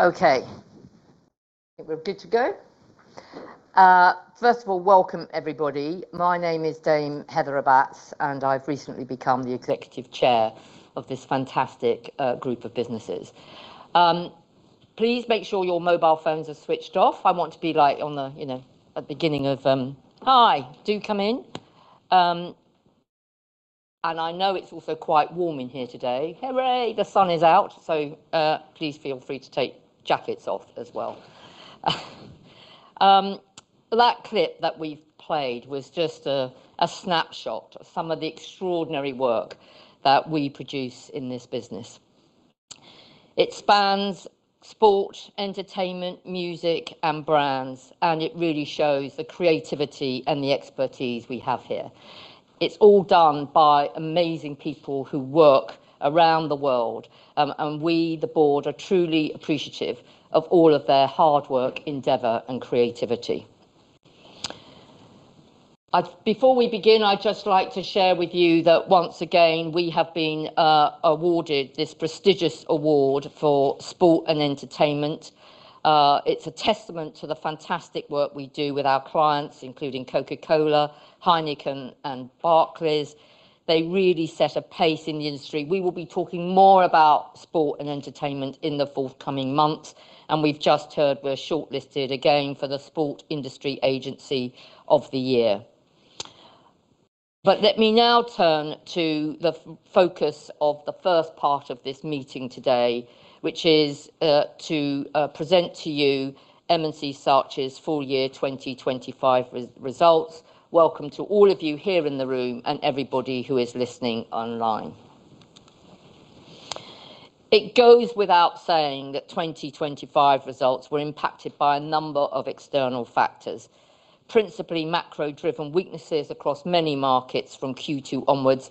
Okay. I think we're good to go. First of all, welcome everybody. My name is Dame Heather Rabbatts, and I've recently become the Executive Chair of this fantastic group of businesses. Please make sure your mobile phones are switched off. I want to be like on the beginning of, "Hi, do come in." I know it's also quite warm in here today. Hooray, the sun is out, so please feel free to take jackets off as well. That clip that we've played was just a snapshot of some of the extraordinary work that we produce in this business. It spans sport, entertainment, music, and brands, and it really shows the creativity and the expertise we have here. It's all done by amazing people who work around the world. We, the Board, are truly appreciative of all of their hard work, endeavor, and creativity. Before we begin, I'd just like to share with you that once again, we have been awarded this prestigious award for sport and entertainment. It's a testament to the fantastic work we do with our clients, including Coca-Cola, Heineken, and Barclays. They really set a pace in the industry. We will be talking more about sport and entertainment in the forthcoming months, and we've just heard we're shortlisted again for the Sport Industry Agency of the Year. Let me now turn to the focus of the first part of this meeting today, which is to present to you M&C Saatchi's full year 2025 results. Welcome to all of you here in the room and everybody who is listening online. It goes without saying that 2025 results were impacted by a number of external factors, principally macro-driven weaknesses across many markets from Q2 onwards,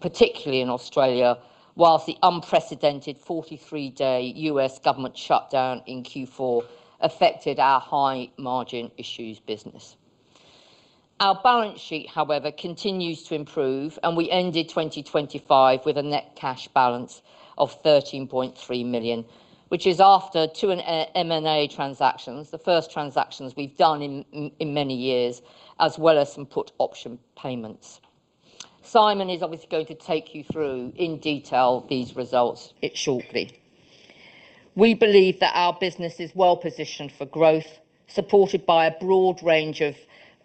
particularly in Australia, while the unprecedented 43-day U.S. government shutdown in Q4 affected our high-margin Issues business. Our balance sheet, however, continues to improve, and we ended 2025 with a net cash balance of 13.3 million, which is after two M&A transactions, the first transactions we've done in many years, as well as some put option payments. Simon is obviously going to take you through, in detail, these results shortly. We believe that our business is well-positioned for growth, supported by a broad range of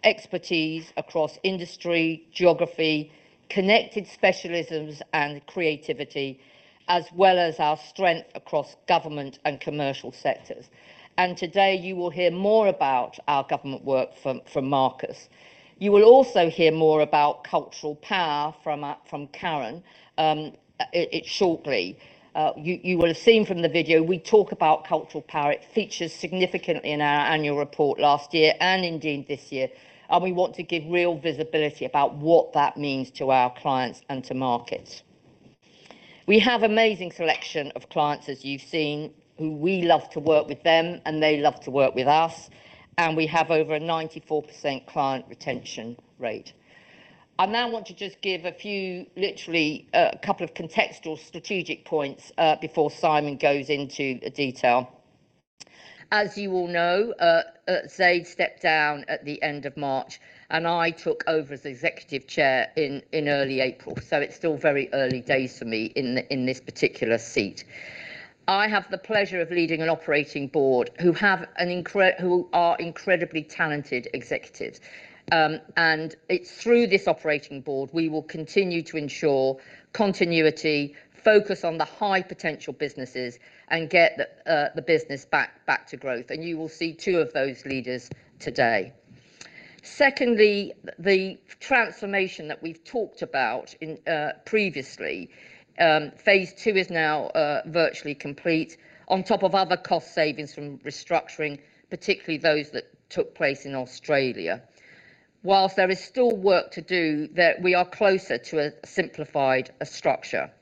expertise across industry, geography, connected specialisms, and creativity, as well as our strength across government and commercial sectors. Today you will hear more about our government work from Marcus. You will also hear more about Cultural Power from Karen shortly. You will have seen from the video we talk about Cultural Power. It features significantly in our annual report last year and indeed this year, and we want to give real visibility about what that means to our clients and to markets. We have amazing selection of clients, as you've seen, who we love to work with them, and they love to work with us, and we have over a 94% client retention rate. I now want to just give a few, literally, couple of contextual strategic points before Simon goes into detail. As you all know, Zaid stepped down at the end of March, and I took over as Executive Chair in early April, so it's still very early days for me in this particular seat. I have the pleasure of leading an operating board who are incredibly talented executives. It's through this operating Board, we will continue to ensure continuity, focus on the high potential businesses, and get the business back to growth, and you will see two of those leaders today. Secondly, the transformation that we've talked about previously. Phase Two is now virtually complete on top of other cost savings from restructuring, particularly those that took place in Australia. While there is still work to do, that we are closer to a simplified structure.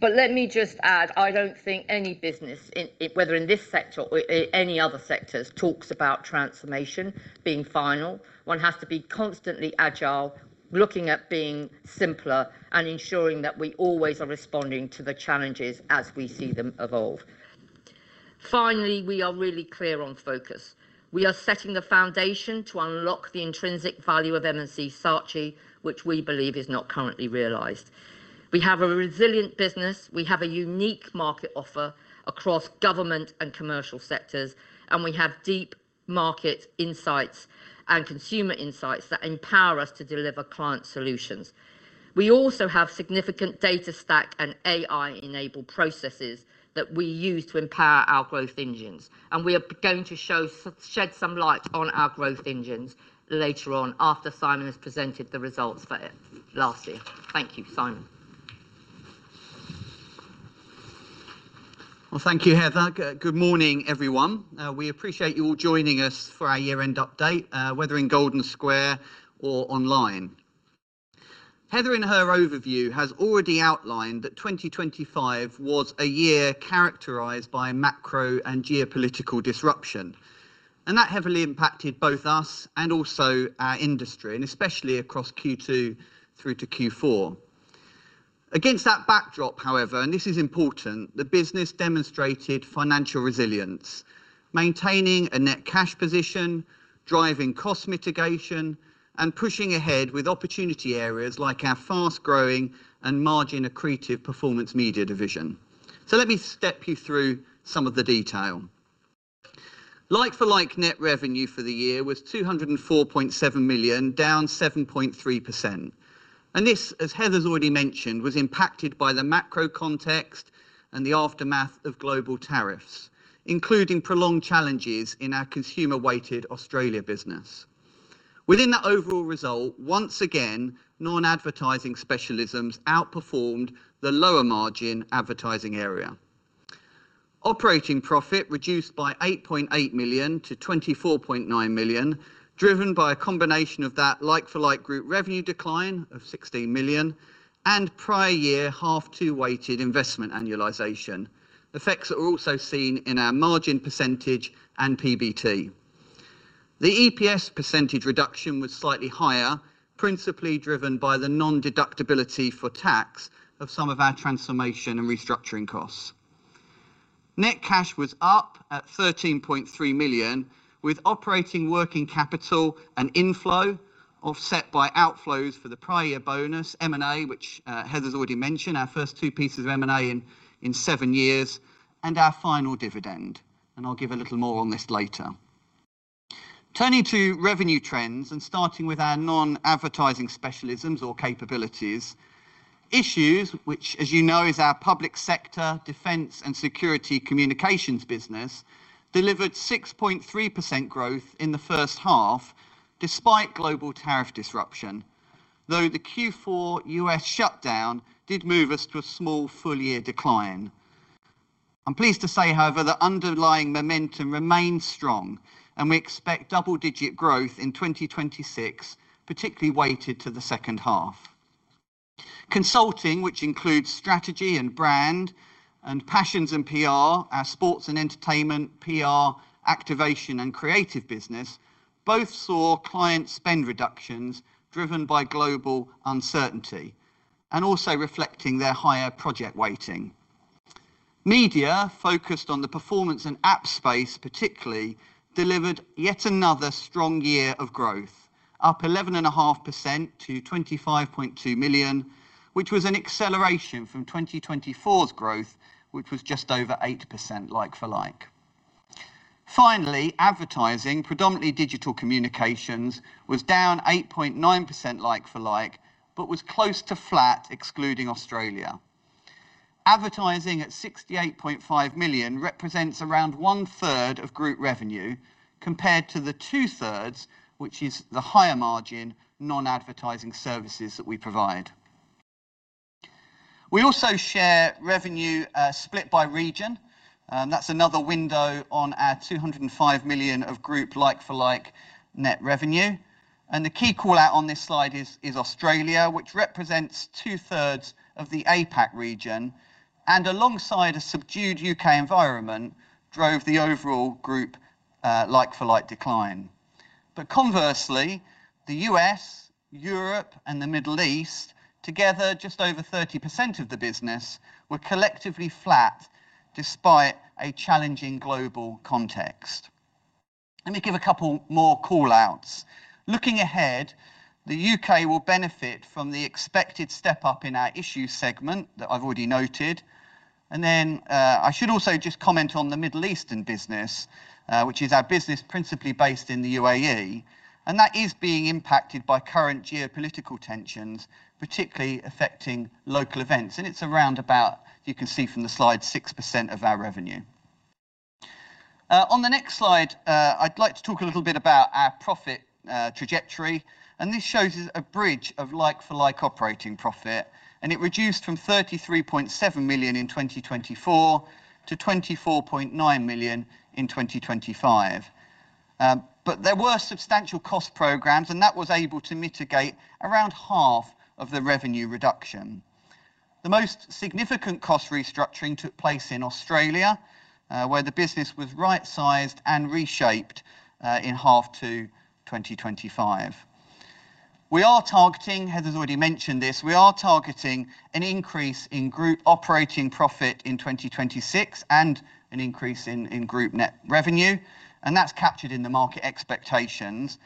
Let me just add, I don't think any business, whether in this sector or any other sectors, talks about transformation being final. One has to be constantly agile, looking at being simpler, and ensuring that we always are responding to the challenges as we see them evolve. Finally, we are really clear on focus. We are setting the foundation to unlock the intrinsic value of M&C Saatchi, which we believe is not currently realized. We have a resilient business, we have a unique market offer across government and commercial sectors, and we have deep market insights and consumer insights that empower us to deliver client solutions. We also have significant data stack and AI-enabled processes that we use to empower our growth engines, and we are going to shed some light on our growth engines later on after Simon has presented the results for last year. Thank you. Simon. Well, thank you, Heather. Good morning, everyone. We appreciate you all joining us for our year-end update, whether in Golden Square or online. Heather, in her overview, has already outlined that 2025 was a year characterized by macro and geopolitical disruption, and that heavily impacted both us and also our industry, and especially across Q2 through to Q4. Against that backdrop, however, and this is important, the business demonstrated financial resilience, maintaining a net cash position, driving cost mitigation, and pushing ahead with opportunity areas like our fast-growing and margin accretive performance media division. So let me step you through some of the detail. Like-for-like net revenue for the year was 204.7 million, down 7.3%. This, as Heather's already mentioned, was impacted by the macro context and the aftermath of global tariffs, including prolonged challenges in our consumer-weighted Australia business. Within that overall result, once again, non-advertising specialisms outperformed the lower margin advertising area. Operating profit reduced by 8.8 million to 24.9 million, driven by a combination of that like-for-like group revenue decline of 16 million and prior year half-two weighted investment annualization. Effects are also seen in our margin percentage and PBT. The EPS percentage reduction was slightly higher, principally driven by the non-deductibility for tax of some of our transformation and restructuring costs. Net cash was up at 13.3 million, with operating working capital and inflow offset by outflows for the prior year bonus, M&A, which Heather's already mentioned, our first two pieces of M&A in seven years, and our final dividend. I'll give a little more on this later. Turning to revenue trends and starting with our non-advertising specialisms or capabilities. Issues, which, as you know, is our public sector defense and security communications business, delivered 6.3% growth in the first half despite global tariff disruption. Though the Q4 U.S. shutdown did move us to a small full year decline. I'm pleased to say, however, the underlying momentum remains strong and we expect double-digit growth in 2026, particularly weighted to the second half. Consulting, which includes strategy and brand and Passions & PR, our Sports & Entertainment PR, activation and creative business, both saw client spend reductions driven by global uncertainty and also reflecting their higher project weighting. Media, focused on the performance and ad space particularly, delivered yet another strong year of growth, up 11.5% to 25.2 million, which was an acceleration from 2024's growth, which was just over 8% like-for-like. Finally, Advertising, predominantly digital communications, was down 8.9% like-for-like, but was close to flat excluding Australia. Advertising at 68.5 million represents around 1/3 of group revenue compared to the 2/3, which is the higher margin non-advertising services that we provide. We also share revenue split by region, and that's another window on our 205 million of Group like-for-like net revenue. The key call-out on this slide is Australia, which represents 2/3 of the APAC region, and alongside a subdued U.K. environment, drove the overall Group like-for-like decline. Conversely, the U.S., Europe, and the Middle East together, just over 30% of the business, were collectively flat despite a challenging global context. Let me give a couple more call-outs. Looking ahead, the U.K. will benefit from the expected step-up in our Issues segment that I've already noted. Then, I should also just comment on the Middle Eastern business, which is our business principally based in the UAE, and that is being impacted by current geopolitical tensions, particularly affecting local events. It's around about, you can see from the slide, 6% of our revenue. On the next slide, I'd like to talk a little bit about our profit trajectory. This shows a bridge of like-for-like operating profit, and it reduced from 33.7 million in 2024 to 24.9 million in 2025. There were substantial cost programs, and that was able to mitigate around half of the revenue reduction. The most significant cost restructuring took place in Australia, where the business was right-sized and reshaped in half to 2025. We are targeting. Heather's already mentioned this. We are targeting an increase in Group operating profit in 2026 and an increase in Group net revenue, and that's captured in the market expectations.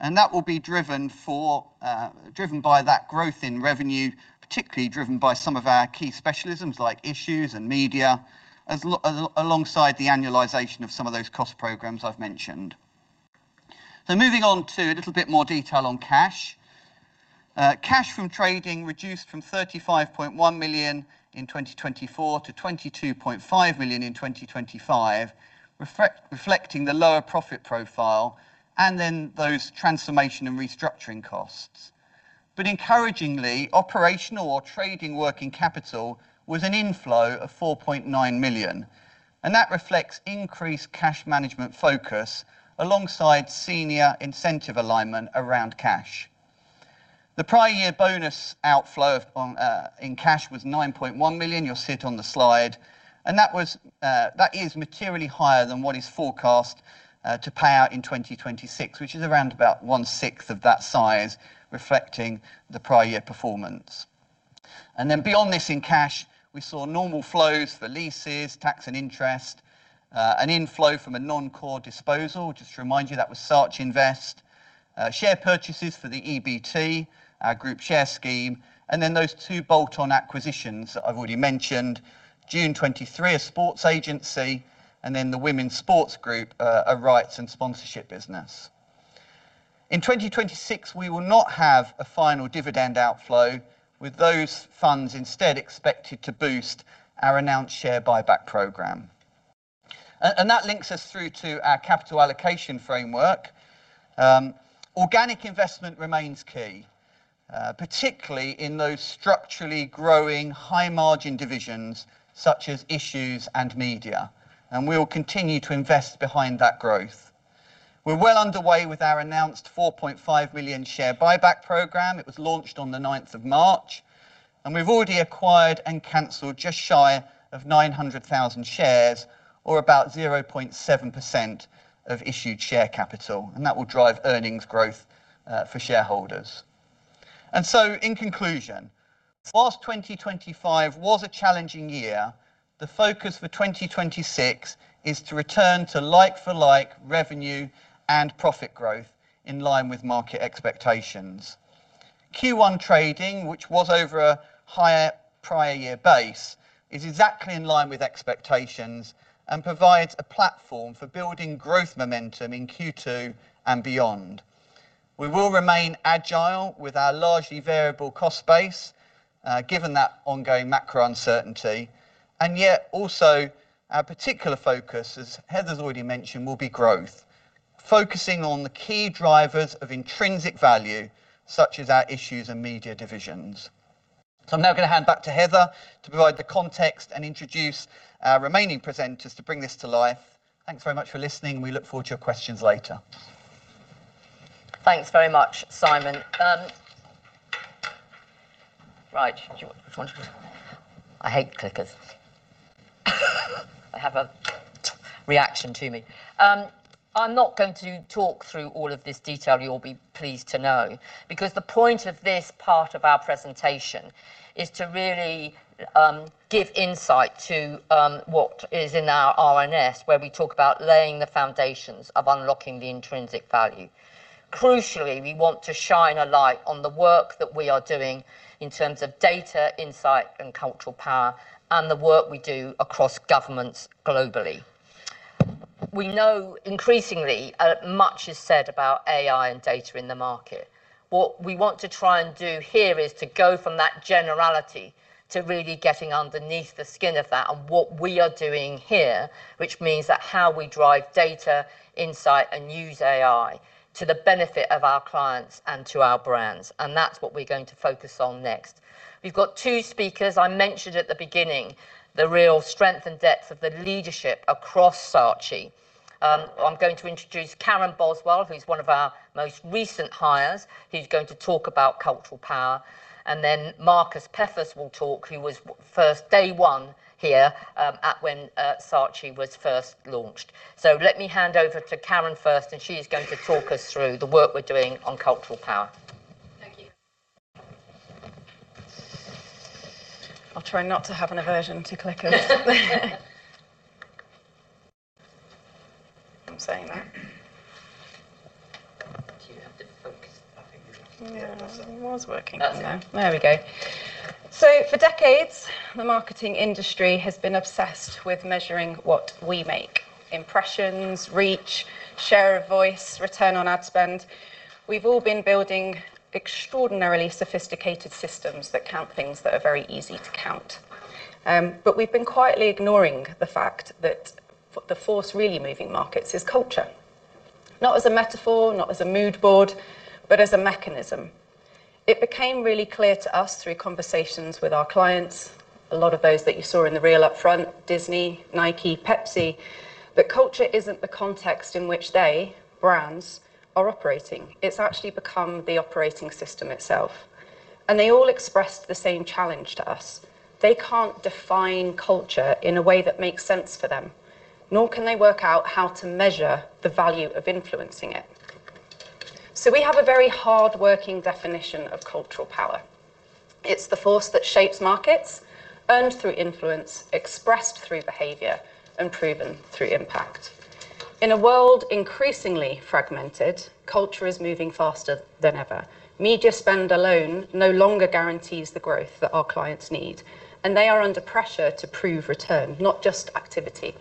That will be driven by that growth in revenue, particularly driven by some of our key specialisms like Issues and Media, alongside the annualization of some of those cost programs I've mentioned. Moving on to a little bit more detail on cash. Cash from trading reduced from 35.1 million in 2024 to 22.5 million in 2025, reflecting the lower profit profile and then those transformation and restructuring costs. Encouragingly, operational or trading working capital was an inflow of 4.9 million, and that reflects increased cash management focus alongside senior incentive alignment around cash. The prior year bonus outflow in cash was 9.1 million. You'll see it on the slide. That is materially higher than what is forecast to pay out in 2026, which is around about 1/6 of that size, reflecting the prior year performance. Beyond this in cash, we saw normal flows for leases, tax, and interest, an inflow from a non-core disposal, just to remind you, that was SAATCHiNVEST, share purchases for the EBT, our Group share scheme, and then those two bolt-on acquisitions that I've already mentioned, DUNE | 23, a sports agency, and then the Women's Sports Group, a Rights and Sponsorship business. In 2026, we will not have a final dividend outflow, with those funds instead expected to boost our announced share buyback program. That links us through to our capital allocation framework. Organic investment remains key, particularly in those structurally growing high-margin divisions such as Issues and Media, and we will continue to invest behind that growth. We're well underway with our announced 4.5 million share buyback program. It was launched on the 9th of March. We've already acquired and canceled just shy of 900,000 shares or about 0.7% of issued share capital, and that will drive earnings growth for shareholders. In conclusion, while 2025 was a challenging year, the focus for 2026 is to return to like-for-like revenue and profit growth in line with market expectations. Q1 trading, which was over a higher prior year base, is exactly in line with expectations and provides a platform for building growth momentum in Q2 and beyond. We will remain agile with our largely variable cost base, given that ongoing macro uncertainty, and yet also our particular focus, as Heather already mentioned, will be growth, focusing on the key drivers of intrinsic value, such as our Issues and Media divisions. I'm now going to hand back to Heather to provide the context and introduce our remaining presenters to bring this to life. Thanks very much for listening, and we look forward to your questions later. Thanks very much, Simon. Right. I hate clickers. They have a reaction to me. I'm not going to talk through all of this detail you'll be pleased to know, because the point of this part of our presentation is to really give insight to what is in our RNS, where we talk about laying the foundations of unlocking the intrinsic value. Crucially, we want to shine a light on the work that we are doing in terms of data insight and Cultural Power and the work we do across governments globally. We know increasingly much is said about AI and data in the market. What we want to try and do here is to go from that generality to really getting underneath the skin of that and what we are doing here, which means that how we drive data insight and use AI to the benefit of our clients and to our brands, and that's what we're going to focus on next. We've got two speakers. I mentioned at the beginning the real strength and depth of the leadership across Saatchi. I'm going to introduce Karen Boswell, who's one of our most recent hires, who's going to talk about Cultural Power, and then Marcus Peffers will talk, who was first day one here, at when Saatchi was first launched. Let me hand over to Karen first, and she is going to talk us through the work we're doing on Cultural Power. Thank you. I'll try not to have an aversion to clickers. I'm saying that. Do you have the focus? I think we've lost it. Yeah, it was working. That's it. There we go. For decades, the marketing industry has been obsessed with measuring what we make, impressions, reach, share of voice, return on ad spend. We've all been building extraordinarily sophisticated systems that count things that are very easy to count. We've been quietly ignoring the fact that the force really moving markets is culture. Not as a metaphor, not as a mood board, but as a mechanism. It became really clear to us through conversations with our clients, a lot of those that you saw in the reel up front, Disney, Nike, Pepsi, that culture isn't the context in which they, brands, are operating. It's actually become the operating system itself. They all expressed the same challenge to us. They can't define culture in a way that makes sense for them, nor can they work out how to measure the value of influencing it. We have a very hardworking definition of Cultural Power. It's the force that shapes markets, earned through influence, expressed through behavior, and proven through impact. In a world increasingly fragmented, culture is moving faster than ever. Media spend alone no longer guarantees the growth that our clients need, and they are under pressure to prove return, not just activity.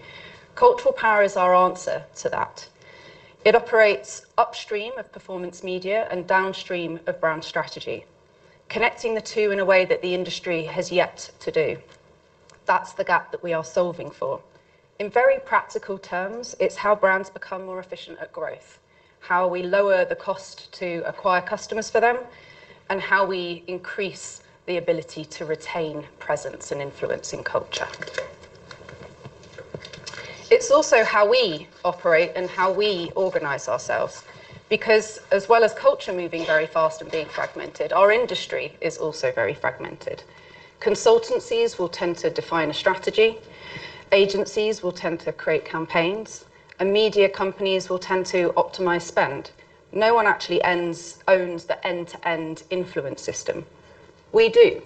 Cultural Power is our answer to that. It operates upstream of performance media and downstream of brand strategy, connecting the two in a way that the industry has yet to do. That's the gap that we are solving for. In very practical terms, it's how brands become more efficient at growth, how we lower the cost to acquire customers for them, and how we increase the ability to retain presence and influence in culture. It's also how we operate and how we organize ourselves because as well as culture moving very fast and being fragmented, our industry is also very fragmented. Consultancies will tend to define a strategy. Agencies will tend to create campaigns. Media companies will tend to optimize spend. No one actually owns the end-to-end influence system. We do.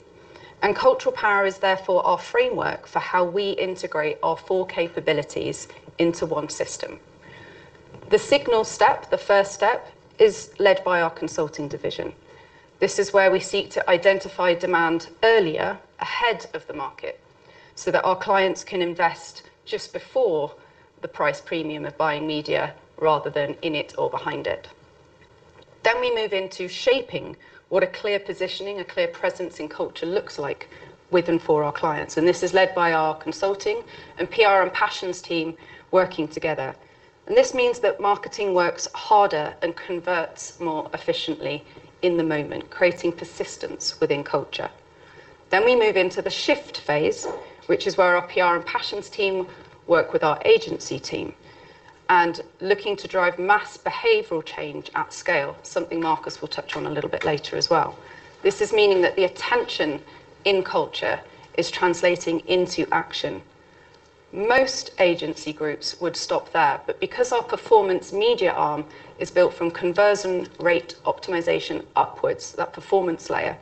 Cultural Power is therefore our framework for how we integrate our four capabilities into one system. The signal step, the first step, is led by our Consulting division. This is where we seek to identify demand earlier ahead of the market, so that our clients can invest just before the price premium of buying media, rather than in it or behind it. We move into shaping what a clear positioning, a clear presence in culture looks like with and for our clients. This is led by our Consulting and PR and Passions team working together. This means that marketing works harder and converts more efficiently in the moment, creating persistence within culture. We move into the shift phase, which is where our PR and Passions team work with our agency team, and looking to drive mass behavioral change at scale, something Marcus will touch on a little bit later as well. This means that the attention in culture is translating into action. Most agency groups would stop there, but because our performance media arm is built from conversion rate optimization upwards, that performance layer,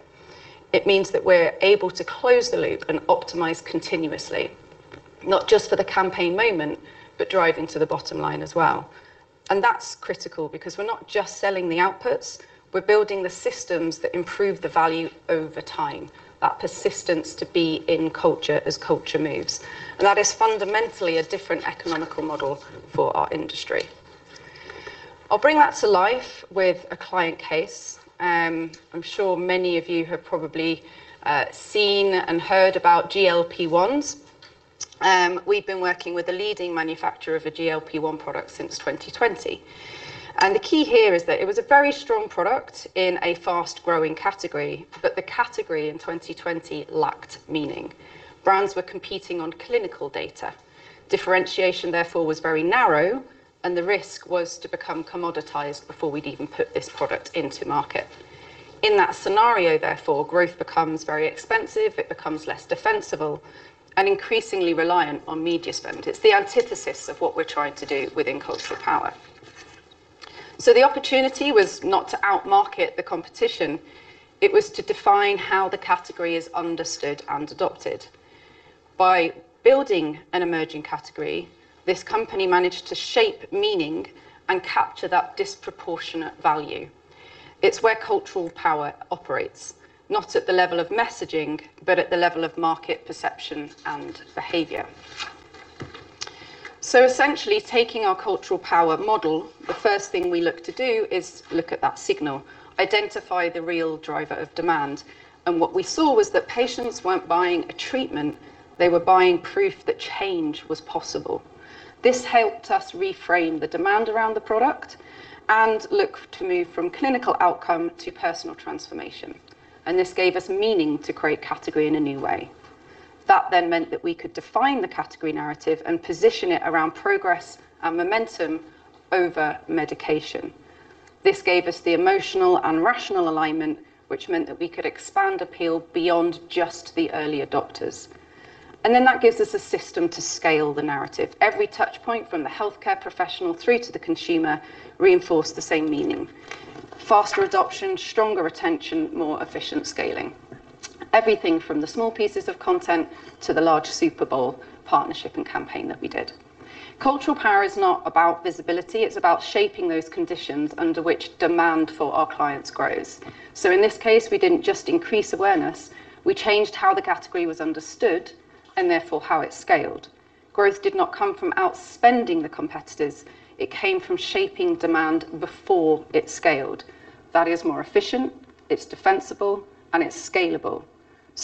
it means that we're able to close the loop and optimize continuously, not just for the campaign moment, but driving to the bottom line as well. That's critical because we're not just selling the outputs, we're building the systems that improve the value over time, that persistence to be in culture as culture moves. That is fundamentally a different economic model for our industry. I'll bring that to life with a client case. I'm sure many of you have probably seen and heard about GLP-1s. We've been working with a leading manufacturer of a GLP-1 product since 2020. The key here is that it was a very strong product in a fast-growing category, but the category in 2020 lacked meaning. Brands were competing on clinical data. Differentiation, therefore, was very narrow, and the risk was to become commoditized before we'd even put this product into market. In that scenario, therefore, growth becomes very expensive, it becomes less defensible, and increasingly reliant on media spend. It's the antithesis of what we're trying to do within Cultural Power. The opportunity was not to outmarket the competition. It was to define how the category is understood and adopted. By building an emerging category, this company managed to shape meaning and capture that disproportionate value. It's where Cultural Power operates, not at the level of messaging, but at the level of market perception and behavior. Essentially, taking our Cultural Power model, the first thing we look to do is look at that signal, identify the real driver of demand. What we saw was that patients weren't buying a treatment, they were buying proof that change was possible. This helped us reframe the demand around the product and look to move from clinical outcome to personal transformation. This gave us meaning to create category in a new way. That then meant that we could define the category narrative and position it around progress and momentum over medication. This gave us the emotional and rational alignment, which meant that we could expand appeal beyond just the early adopters. that gives us a system to scale the narrative. Every touch point, from the healthcare professional through to the consumer, reinforced the same meaning. Faster adoption, stronger retention, more efficient scaling. Everything from the small pieces of content to the large Super Bowl partnership and campaign that we did. Cultural Power is not about visibility, it's about shaping those conditions under which demand for our clients grows. in this case, we didn't just increase awareness, we changed how the category was understood, and therefore how it scaled. Growth did not come from outspending the competitors. It came from shaping demand before it scaled. That is more efficient, it's defensible, and it's scalable.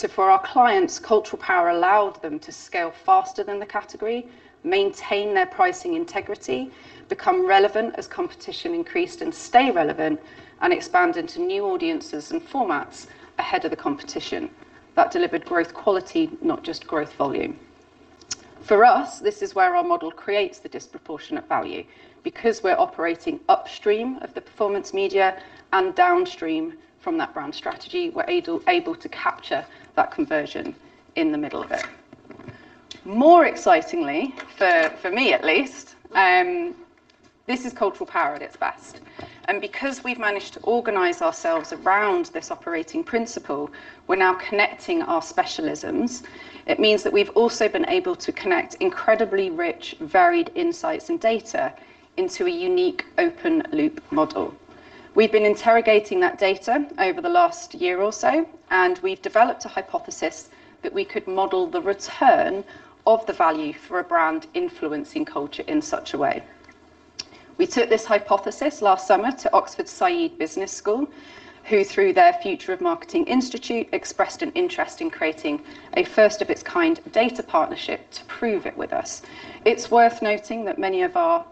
For our clients, Cultural Power allowed them to scale faster than the category, maintain their pricing integrity, become relevant as competition increased, and stay relevant and expand into new audiences and formats ahead of the competition. That delivered growth quality, not just growth volume. For us, this is where our model creates the disproportionate value. Because we're operating upstream of the performance media and downstream from that brand strategy, we're able to capture that conversion in the middle of it. More excitingly, for me at least, this is Cultural Power at its best, and because we've managed to organize ourselves around this operating principle, we're now connecting our specialisms. It means that we've also been able to connect incredibly rich, varied insights and data into a unique open loop model. We've been interrogating that data over the last year or so, and we've developed a hypothesis that we could model the return of the value for a brand influencing culture in such a way. We took this hypothesis last summer to Oxford Saïd Business School, who through their Future of Marketing Initiative, expressed an interest in creating a first-of-its-kind data partnership to prove it with us. It's worth noting that many of our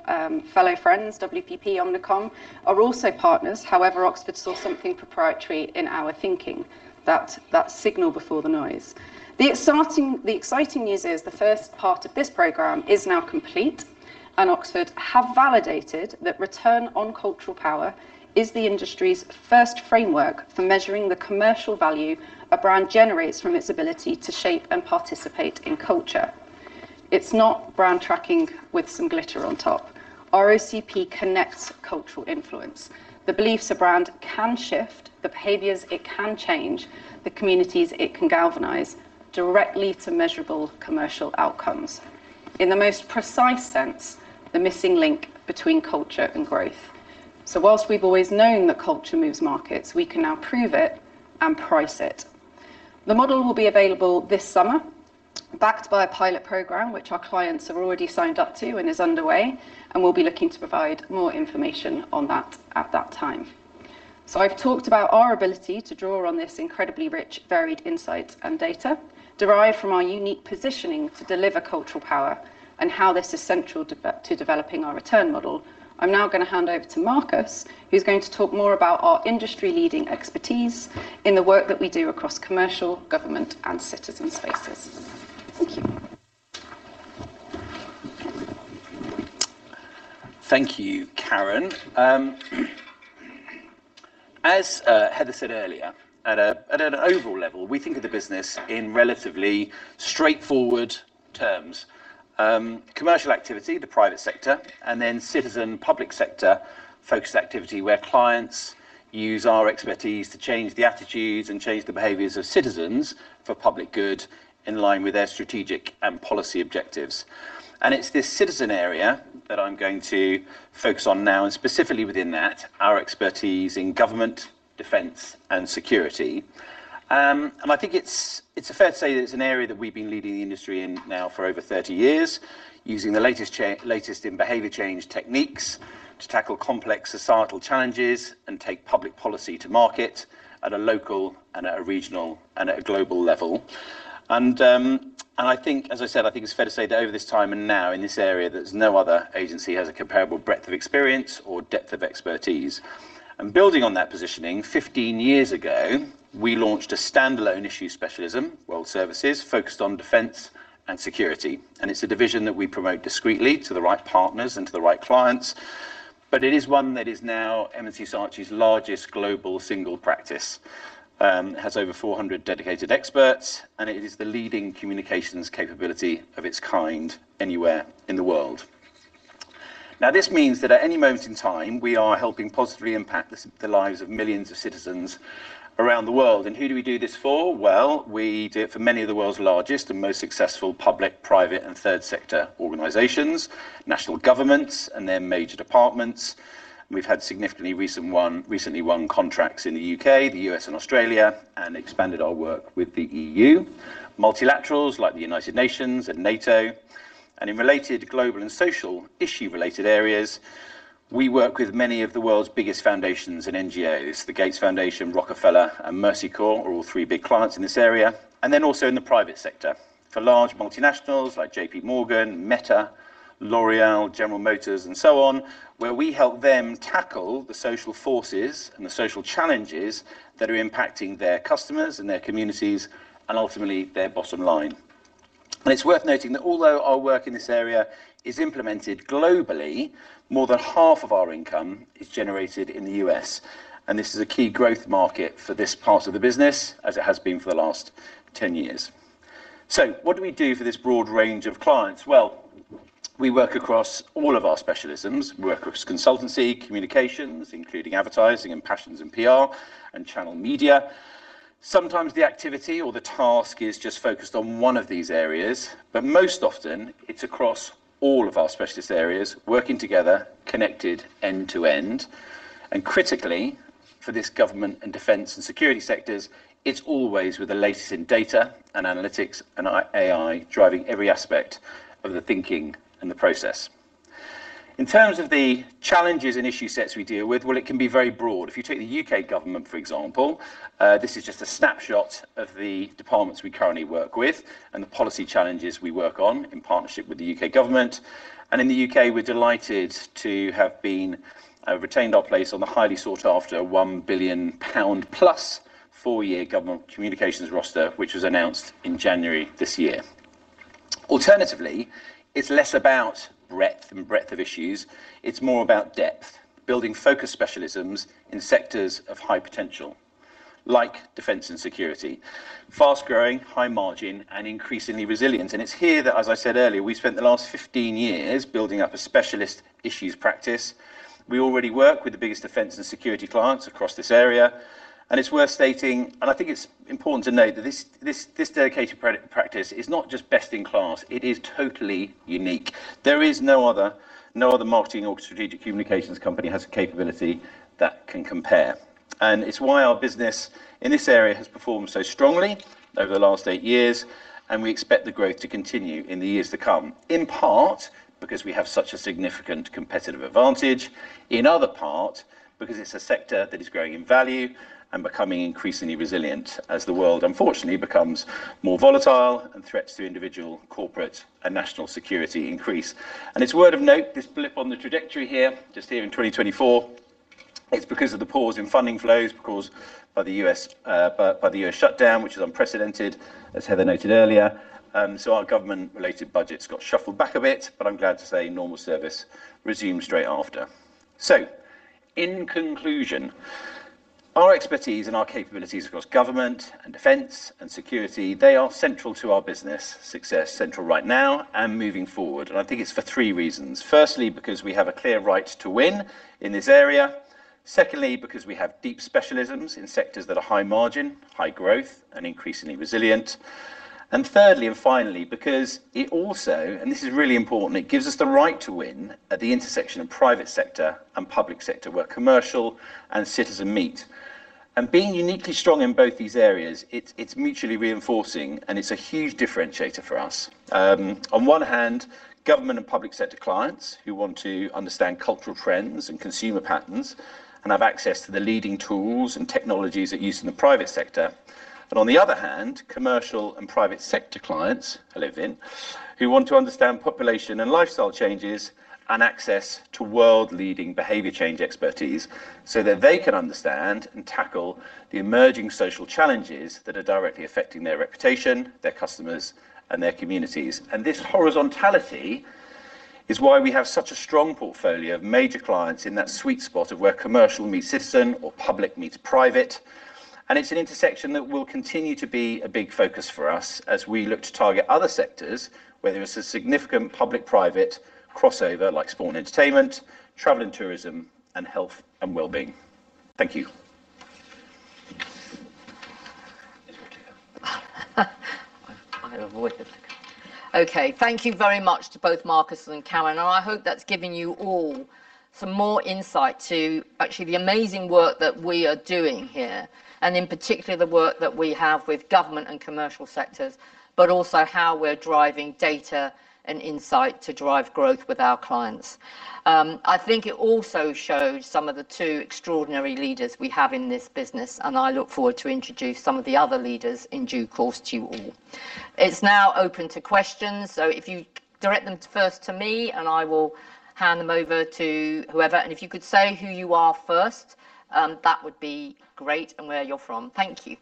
fellow friends, WPP, Omnicom, are also partners. However, Oxford saw something proprietary in our thinking, that signal before the noise. The exciting news is the first part of this program is now complete, and Oxford have validated that return on Cultural Power is the industry's first framework for measuring the commercial value a brand generates from its ability to shape and participate in culture. It's not brand tracking with some glitter on top. ROCP connects cultural influence. The beliefs a brand can shift, the behaviors it can change, the communities it can galvanize, directly to measurable commercial outcomes. In the most precise sense, the missing link between culture and growth. While we've always known that culture moves markets, we can now prove it and price it. The model will be available this summer, backed by a pilot program which our clients have already signed up to and is underway, and we'll be looking to provide more information on that at that time. I've talked about our ability to draw on this incredibly rich, varied insight and data derived from our unique positioning to deliver Cultural Power and how this is central to developing our return model. I'm now going to hand over to Marcus, who's going to talk more about our industry-leading expertise in the work that we do across commercial, government, and citizen spaces. Thank you. Thank you, Karen. As Heather said earlier, at an overall level, we think of the business in relatively straightforward terms. Commercial activity, the private sector, and then citizen public sector focused activity where clients use our expertise to change the attitudes and change the behaviors of citizens for public good in line with their strategic and policy objectives. It's this citizen area that I'm going to focus on now, and specifically within that, our expertise in government, defense, and security. I think it's fair to say that it's an area that we've been leading the industry in now for over 30 years, using the latest in behavior change techniques to tackle complex societal challenges and take public policy to market at a local and at a regional and at a global level. I think, as I said, I think it's fair to say that over this time and now in this area, there's no other agency has a comparable breadth of experience or depth of expertise. Building on that positioning, 15 years ago, we launched a standalone Issues specialism, World Services, focused on defense and security. It's a division that we promote discreetly to the right partners and to the right clients, but it is one that is now M&C Saatchi's largest global single practice. It has over 400 dedicated experts, and it is the leading communications capability of its kind anywhere in the world. Now, this means that at any moment in time, we are helping positively impact the lives of millions of citizens around the world. Who do we do this for? Well, we do it for many of the world's largest and most successful public, private, and third sector organizations, national governments and their major departments. We've had significantly recently won contracts in the U.K., the U.S., and Australia, and expanded our work with the EU. Multilaterals like the United Nations and NATO, and in related global and social issue related areas, we work with many of the world's biggest foundations and NGOs. The Gates Foundation, Rockefeller, and Mercy Corps are all three big clients in this area. Then also in the private sector for large multinationals like JPMorgan, Meta, L'Oréal, General Motors, and so on, where we help them tackle the social forces and the social challenges that are impacting their customers and their communities, and ultimately their bottom line. It's worth noting that although our work in this area is implemented globally, more than half of our income is generated in the U.S., and this is a key growth market for this part of the business, as it has been for the last 10 years. What do we do for this broad range of clients? Well, we work across all of our specialisms. We work with Consulting, Communications, including Advertising and Passions & PR, and Media. Sometimes the activity or the task is just focused on one of these areas, but most often it's across all of our specialist areas working together, connected end to end, and critically for this government and defense and security sectors, it's always with the latest in data and analytics and AI driving every aspect of the thinking and the process. In terms of the challenges and issue sets we deal with, well, it can be very broad. If you take the U.K. government, for example, this is just a snapshot of the departments we currently work with and the policy challenges we work on in partnership with the U.K. government. In the U.K. we're delighted to have retained our place on the highly sought after 1 billion pound+, four-year government communications roster, which was announced in January this year. Alternatively, it's less about breadth of issues. It's more about depth, building focused specialisms in sectors of high potential, like defense and security, fast-growing, high margin, and increasingly resilient. It's here that, as I said earlier, we spent the last 15 years building up a specialist issues practice. We already work with the biggest defense and security clients across this area, and it's worth stating, and I think it's important to note that this dedicated practice is not just best in class. It is totally unique. There is no other marketing or strategic communications company has a capability that can compare. It's why our business in this area has performed so strongly over the last eight years, and we expect the growth to continue in the years to come. In part because we have such a significant competitive advantage. In other part, because it's a sector that is growing in value and becoming increasingly resilient as the world unfortunately becomes more volatile and threats to individual, corporate, and national security increase. It's worth noting, this blip on the trajectory here, just here in 2024, it's because of the pause in funding flows caused by the U.S. shutdown, which is unprecedented, as Heather noted earlier. Our government related budgets got shuffled back a bit, but I'm glad to say normal service resumed straight after. In conclusion Our expertise and our capabilities across government and defense and security, they are central to our business success, central right now and moving forward. I think it's for three reasons. Firstly, because we have a clear right to win in this area. Secondly, because we have deep specialisms in sectors that are high margin, high growth, and increasingly resilient. Thirdly, and finally, because it also, and this is really important, it gives us the right to win at the intersection of private sector and public sector, where commercial and citizen meet. Being uniquely strong in both these areas, it's mutually reinforcing and it's a huge differentiator for us. On one hand, government and public sector clients who want to understand cultural trends and consumer patterns and have access to the leading tools and technologies in use in the private sector. On the other hand, commercial and private sector clients who want to understand population and lifestyle changes and access to world-leading behavior change expertise so that they can understand and tackle the emerging social challenges that are directly affecting their reputation, their customers, and their communities. This horizontality is why we have such a strong portfolio of major clients in that sweet spot of where commercial meets citizen or public meets private. It's an intersection that will continue to be a big focus for us as we look to target other sectors where there is a significant public-private crossover, like Sport & Entertainment, travel and tourism, and health and wellbeing. Thank you. It's your turn. I avoid it. Okay. Thank you very much to both Marcus and Karen, and I hope that's given you all some more insight to actually the amazing work that we are doing here, and in particular, the work that we have with government and commercial sectors, but also how we're driving data and insight to drive growth with our clients. I think it also shows some of the two extraordinary leaders we have in this business, and I look forward to introduce some of the other leaders in due course to you all. It's now open to questions, so if you direct them first to me, and I will hand them over to whoever. If you could say who you are first, that would be great, and where you're from. Thank you.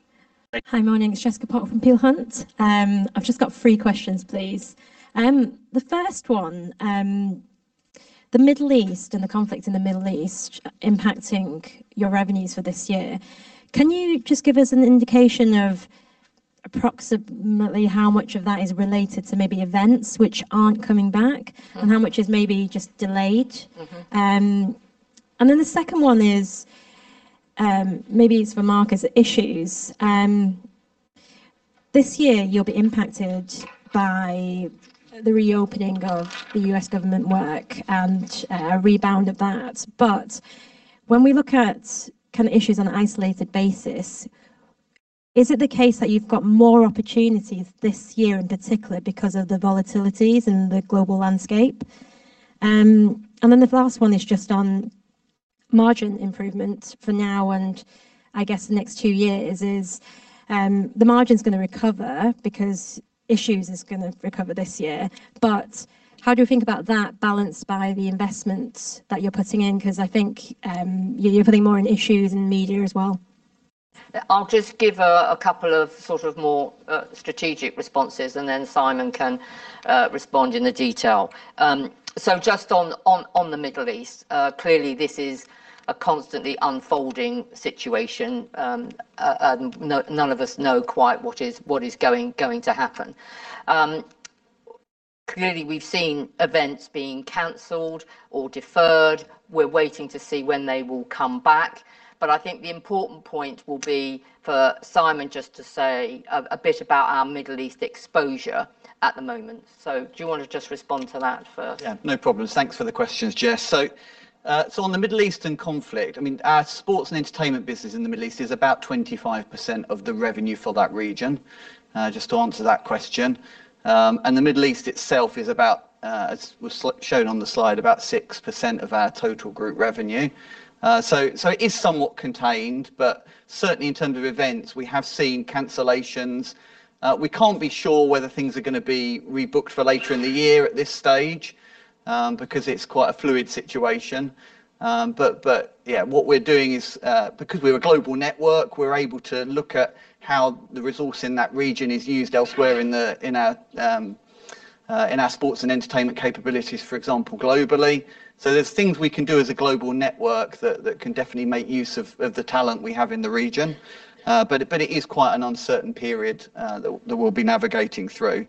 Hi, morning. It's Jessica Pok from Peel Hunt. I've just got three questions, please. The first one, the Middle East and the conflict in the Middle East impacting your revenues for this year. Can you just give us an indication of approximately how much of that is related to maybe events which aren't coming back and how much is maybe just delayed? Mm-hmm. The second one is, maybe it's for Marcus at Issues. This year you'll be impacted by the reopening of the U.S. government work and a rebound of that. When we look at kind of Issues on an isolated basis, is it the case that you've got more opportunities this year in particular because of the volatilities in the global landscape? The last one is just on margin improvement for now, and I guess the next two years is, the margin's going to recover because Issues is going to recover this year. How do you think about that balanced by the investments that you're putting in? Because I think you're putting more in Issues and Media as well. I'll just give a couple of sort of more strategic responses, and then Simon can respond in the detail. Just on the Middle East. Clearly this is a constantly unfolding situation. None of us know quite what is going to happen. Clearly, we've seen events being canceled or deferred. We're waiting to see when they will come back. But I think the important point will be for Simon just to say a bit about our Middle East exposure at the moment. Do you want to just respond to that first? Yeah, no problems. Thanks for the questions, Jess. On the Middle Eastern conflict, I mean, our Sports & Entertainment business in the Middle East is about 25% of the revenue for that region, just to answer that question. The Middle East itself is about, as was shown on the slide, about 6% of our total Group revenue. It is somewhat contained, but certainly in terms of events, we have seen cancellations. We can't be sure whether things are going to be rebooked for later in the year at this stage, because it's quite a fluid situation. Yeah, what we're doing is, because we're a global network, we're able to look at how the resource in that region is used elsewhere in our Sports & Entertainment capabilities, for example, globally. There's things we can do as a global network that can definitely make use of the talent we have in the region. It is quite an uncertain period that we'll be navigating through.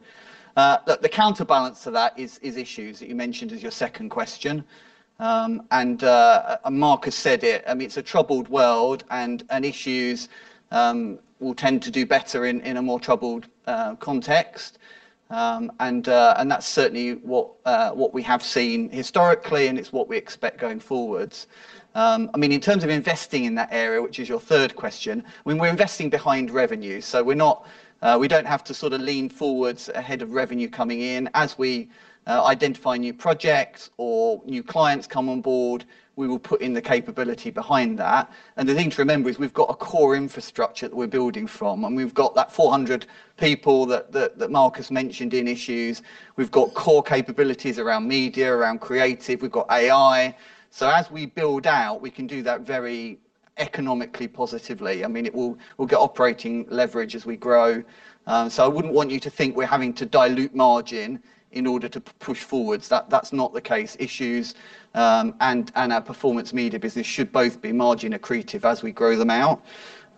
The counterbalance to that is Issues that you mentioned as your second question. Marcus said it, I mean, it's a troubled world and Issues will tend to do better in a more troubled context. That's certainly what we have seen historically and it's what we expect going forwards. I mean, in terms of investing in that area, which is your third question, I mean, we're investing behind revenue, so we don't have to sort of lean forwards ahead of revenue coming in. As we identify new projects or new clients come on board, we will put in the capability behind that. The thing to remember is we've got a core infrastructure that we're building from, and we've got that 400 people that Marcus mentioned in Issues. We've got core capabilities around Media, around creative, we've got AI. As we build out, we can do that very economically positively. I mean, we'll get operating leverage as we grow. I wouldn't want you to think we're having to dilute margin in order to push forward. That's not the case. Issues, and our performance media business should both be margin accretive as we grow them out.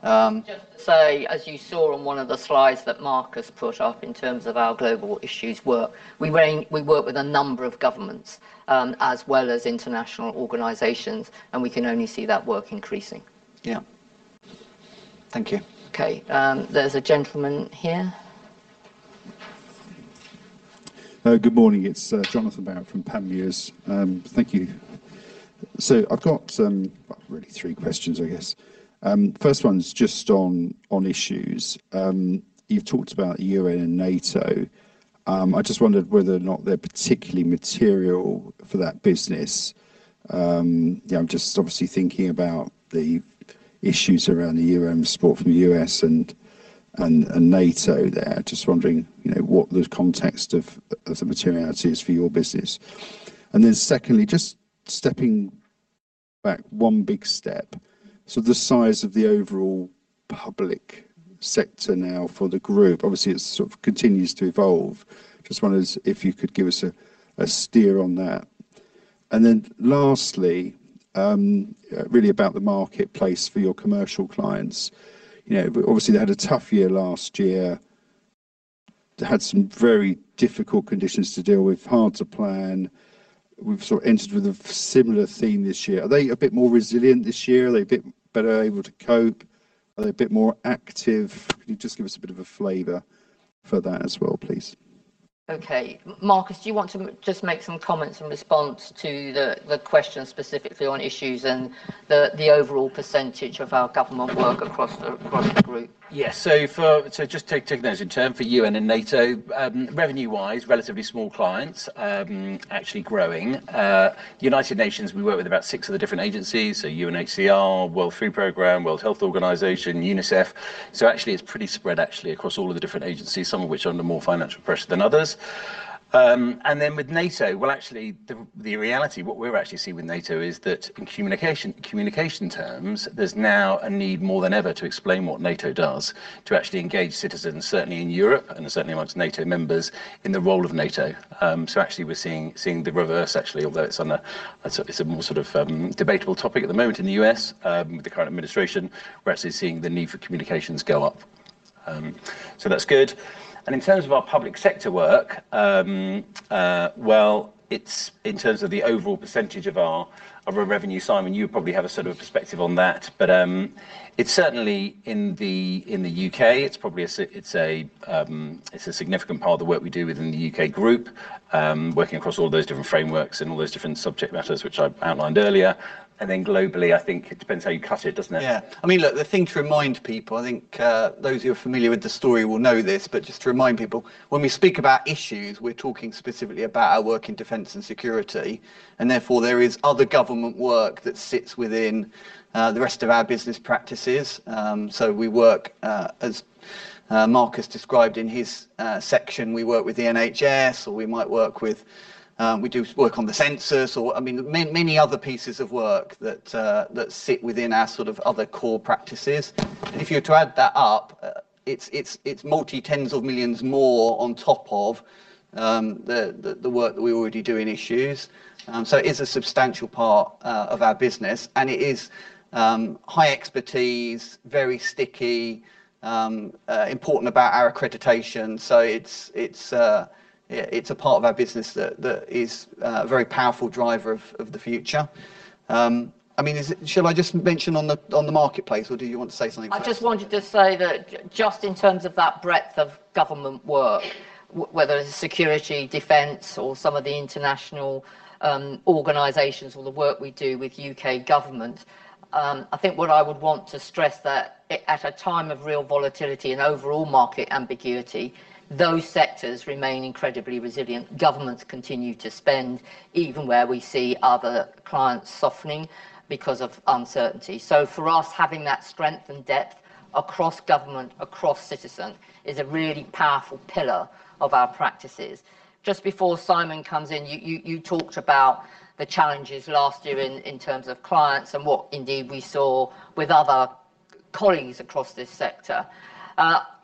Just to say, as you saw on one of the slides that Marcus put up in terms of our global Issues work, we work with a number of governments, as well as international organizations, and we can only see that work increasing. Yeah. Thank you. Okay. There's a gentleman here. Good morning. It's Johnathan Barrett from Panmure. Thank you. I've got, well, really three questions, I guess. First one's just on Issues. You've talked about UN and NATO. I just wondered whether or not they're particularly material for that business. I'm just obviously thinking about the issues around the UN with support from the U.S. and NATO there. Just wondering what the context of the materiality is for your business. Secondly, just stepping back one big step. The size of the overall public sector now for the Group, obviously, it sort of continues to evolve. Just wondered if you could give us a steer on that. Lastly, really about the marketplace for your commercial clients. Obviously, they had a tough year last year. They had some very difficult conditions to deal with, hard to plan. We've sort of entered with a similar theme this year. Are they a bit more resilient this year? Are they a bit better able to cope? Are they a bit more active? Could you just give us a bit of a flavor for that as well, please? Okay. Marcus, do you want to just make some comments in response to the question specifically on Issues and the overall percentage of our government work across the Group? Yes. Just take those in turn for UN and NATO. Revenue-wise, relatively small clients, actually growing. United Nations, we work with about six of the different agencies, so UNHCR, World Food Programme, World Health Organization, UNICEF. Actually it's pretty spread actually across all of the different agencies, some of which are under more financial pressure than others. With NATO, well, actually the reality what we actually see with NATO is that in communication terms, there's now a need more than ever to explain what NATO does to actually engage citizens, certainly in Europe, and certainly amongst NATO members in the role of NATO. Actually we're seeing the reverse actually, although it's a more sort of debatable topic at the moment in the U.S., with the current administration. We're actually seeing the need for communications go up. That's good. In terms of our public sector work, well, in terms of the overall percentage of our revenue, Simon, you probably have a sort of perspective on that. It's certainly in the U.K., it's a significant part of the work we do within the U.K. group, working across all those different frameworks and all those different subject matters, which I outlined earlier. Then globally, I think it depends how you cut it, doesn't it? Yeah. I mean, look, the thing to remind people, I think those who are familiar with the story will know this, but just to remind people. When we speak about Issues, we're talking specifically about our work in defense and security, and therefore there is other government work that sits within the rest of our business practices. We work, as Marcus described in his section, we work with the NHS or we do work on the census or, I mean, many other pieces of work that sit within our sort of other core practices. If you're to add that up, it's multi tens of millions more on top of the work that we already do in Issues. It's a substantial part of our business, and it is high expertise, very sticky, important about our accreditation. It's a part of our business that is a very powerful driver of the future. Should I just mention on the marketplace, or do you want to say something first? I just wanted to say that just in terms of that breadth of government work, whether it's security, defense, or some of the international organizations or the work we do with U.K. government, I think what I would want to stress that at a time of real volatility and overall market ambiguity, those sectors remain incredibly resilient. Governments continue to spend even where we see other clients softening because of uncertainty. For us, having that strength and depth across government, across citizen, is a really powerful pillar of our practices. Just before Simon comes in, you talked about the challenges last year in terms of clients and what indeed we saw with other colleagues across this sector.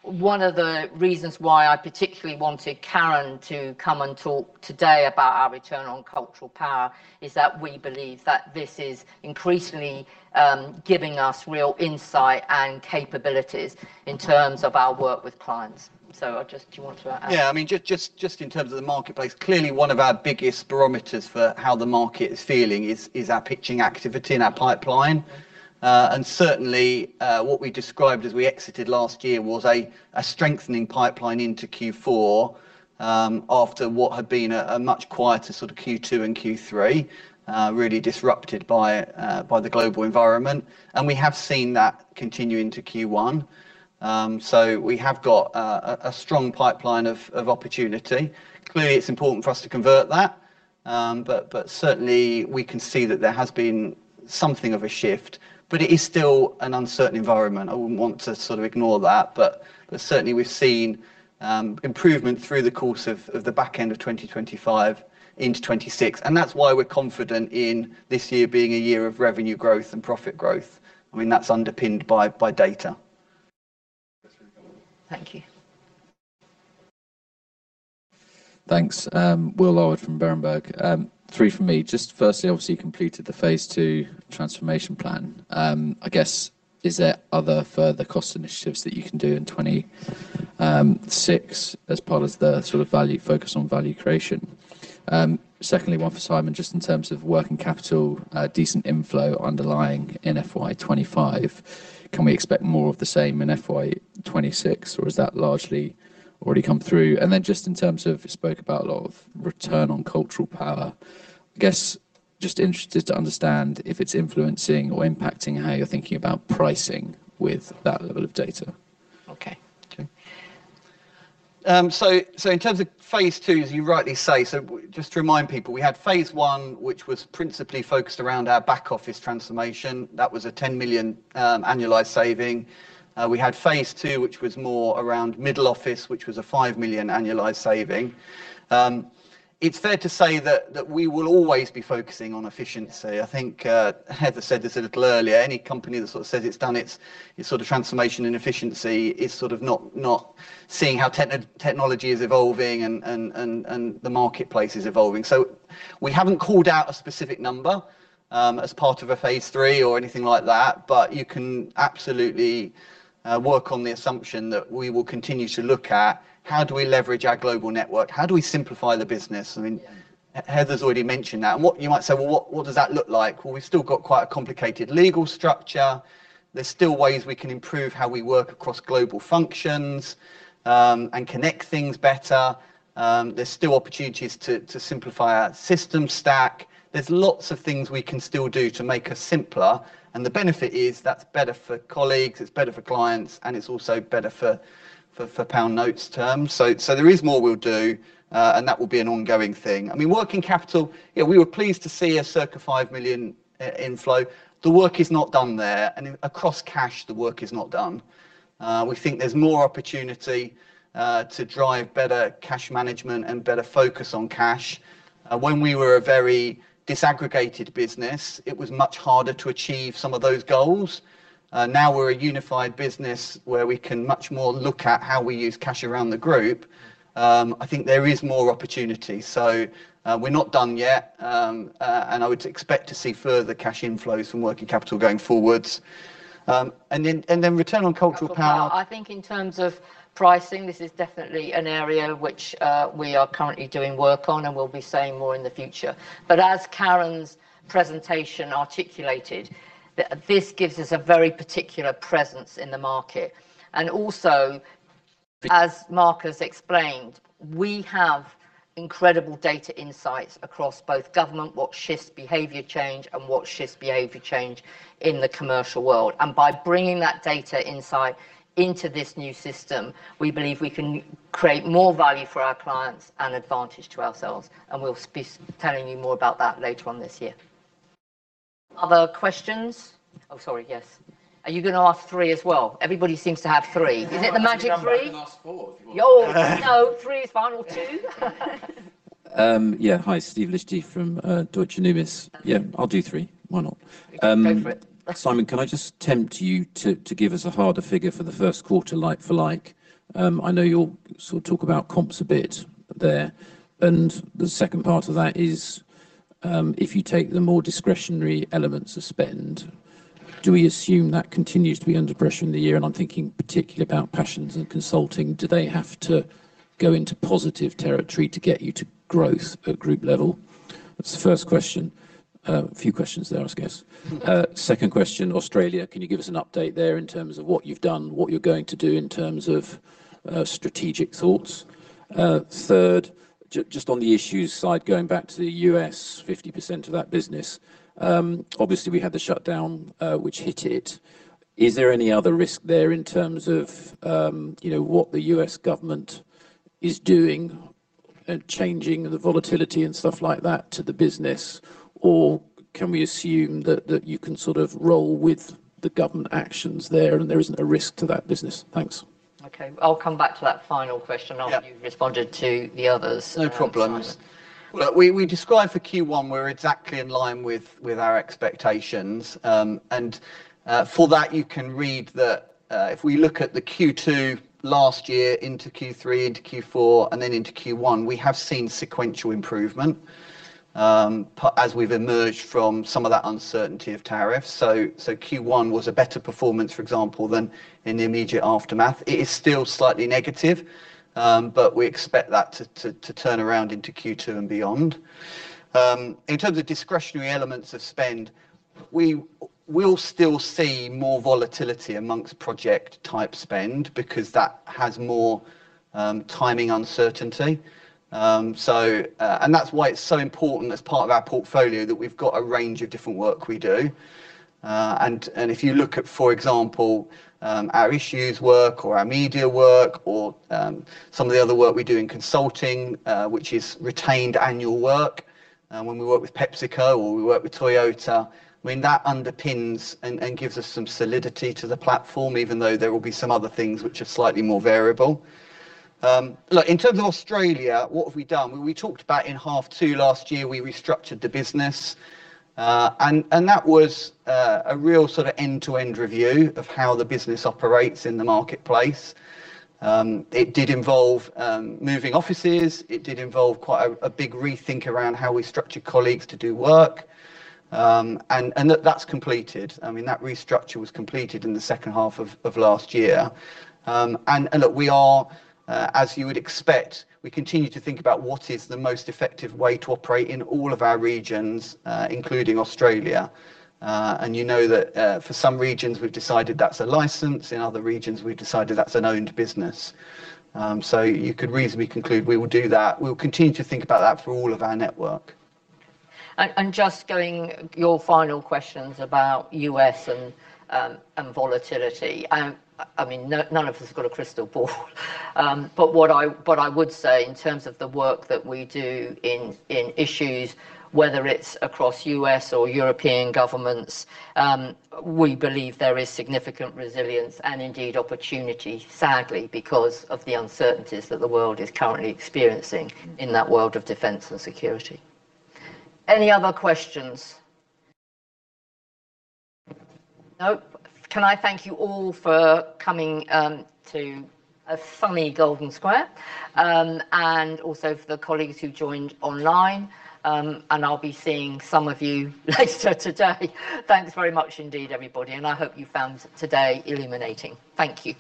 One of the reasons why I particularly wanted Karen to come and talk today about our return on Cultural Power is that we believe that this is increasingly giving us real insight and capabilities in terms of our work with clients. Do you want to add? Yeah. I mean, just in terms of the marketplace, clearly one of our biggest barometers for how the market is feeling is our pitching activity and our pipeline. Certainly, what we described as we exited last year was a strengthening pipeline into Q4, after what had been a much quieter sort of Q2 and Q3, really disrupted by the global environment. We have seen that continue into Q1. We have got a strong pipeline of opportunity. Clearly, it's important for us to convert that. Certainly, we can see that there has been something of a shift. It is still an uncertain environment. I wouldn't want to sort of ignore that. Certainly, we've seen improvement through the course of the back end of 2025 into 2026, and that's why we're confident in this year being a year of revenue growth and profit growth. I mean, that's underpinned by data. Thank you. Thanks. Will Larwood from Berenberg. Three from me. Just firstly, obviously, you completed the Phase Two transformation plan. I guess, is there other further cost initiatives that you can do in 2026 as part of the focus on value creation? Secondly, one for Simon, just in terms of working capital, decent inflow underlying in FY 2025. Can we expect more of the same in FY 2026 or has that largely already come through? Then just in terms of, you spoke about a lot of return on Cultural Power. I guess, just interested to understand if it's influencing or impacting how you're thinking about pricing with that level of data. Okay. Okay. In terms of Phase Two, as you rightly say, just to remind people, we had Phase One which was principally focused around our back office transformation. That was a 10 million annualized saving. We had Phase Two, which was more around middle office, which was a 5 million annualized saving. It's fair to say that we will always be focusing on efficiency. I think Heather said this a little earlier. Any company that says it's done its transformation in efficiency is not seeing how technology is evolving and the marketplace is evolving. We haven't called out a specific number as part of a Phase Three or anything like that, but you can absolutely work on the assumption that we will continue to look at how do we leverage our global network, how do we simplify the business. I mean, Heather's already mentioned that. You might say, "Well, what does that look like?" Well, we've still got quite a complicated legal structure. There's still ways we can improve how we work across global functions, and connect things better. There's still opportunities to simplify our system stack. There's lots of things we can still do to make us simpler, and the benefit is that's better for colleagues, it's better for clients, and it's also better for pound notes terms. There is more we'll do, and that will be an ongoing thing. I mean, working capital, yeah, we were pleased to see a circa 5 million inflow. The work is not done there and across cash the work is not done. We think there's more opportunity to drive better cash management and better focus on cash. When we were a very disaggregated business, it was much harder to achieve some of those goals. Now we're a unified business where we can much more look at how we use cash around the Group. I think there is more opportunity. We're not done yet, and I would expect to see further cash inflows from working capital going forwards. Return on Cultural Power. I think in terms of pricing, this is definitely an area which we are currently doing work on and will be saying more in the future. As Karen's presentation articulated, this gives us a very particular presence in the market. Also, as Marcus explained, we have incredible data insights across both government, what shifts behavior change in the commercial world. By bringing that data insight into this new system, we believe we can create more value for our clients and advantage to ourselves, and we'll be telling you more about that later on this year. Other questions? Oh, sorry, yes. Are you going to ask three as well? Everybody seems to have three. Is it the magic three? I can ask for if you want. Oh, no. Three is final. Two? Yeah. Hi, Steve Liechti from Deutsche Numis. Yeah, I'll do three. Why not? Go for it. Simon, can I just tempt you to give us a harder figure for the first quarter like-for-like? I know you'll sort of talk about comps a bit there. The second part of that is, if you take the more discretionary elements of spend, do we assume that continues to be under pressure in the year? I'm thinking particularly about Passions and Consulting. Do they have to go into positive territory to get you to growth at Group level? That's the first question. A few questions there, I guess. Second question, Australia, can you give us an update there in terms of what you've done, what you're going to do in terms of strategic thoughts? Third, just on the Issues side, going back to the U.S., 50% of that business, obviously we had the shutdown, which hit it. Is there any other risk there in terms of what the U.S. government is doing and changing the volatility and stuff like that to the business, or can we assume that you can sort of roll with the government actions there and there isn't a risk to that business? Thanks. Okay. I'll come back to that final question. Yeah After you've responded to the others. No problems. Simon. Look, we described for Q1 we're exactly in line with our expectations. For that, you can read that if we look at the Q2 last year into Q3, into Q4, and then into Q1, we have seen sequential improvement, as we've emerged from some of that uncertainty of tariffs. Q1 was a better performance, for example, than in the immediate aftermath. It is still slightly negative, but we expect that to turn around into Q2 and beyond. In terms of discretionary elements of spend, we'll still see more volatility among project type spend because that has more timing uncertainty. That's why it's so important as part of our portfolio that we've got a range of different work we do. If you look at, for example, our Issues work or our Media work or some of the other work we do in Consulting, which is retained annual work, when we work with PepsiCo or we work with Toyota, I mean, that underpins and gives us some solidity to the platform, even though there will be some other things which are slightly more variable. Look, in terms of Australia, what have we done? We talked about in half two last year, we restructured the business. That was a real end-to-end review of how the business operates in the marketplace. It did involve moving offices. It did involve quite a big rethink around how we structured colleagues to do work. That's completed. I mean, that restructure was completed in the second half of last year. Look, as you would expect, we continue to think about what is the most effective way to operate in all of our regions, including Australia. You know that for some regions we've decided that's a license. In other regions, we've decided that's an owned business. You could reasonably conclude we will do that. We'll continue to think about that for all of our network. Just going to your final questions about U.S. and volatility. I mean, none of us have got a crystal ball. What I would say in terms of the work that we do in Issues, whether it's across U.S. or European governments, we believe there is significant resilience and indeed opportunity, sadly, because of the uncertainties that the world is currently experiencing in that world of defense and security. Any other questions? Nope. Can I thank you all for coming to a sunny Golden Square, and also for the colleagues who joined online, and I'll be seeing some of you later today. Thanks very much indeed, everybody, and I hope you found today illuminating. Thank you.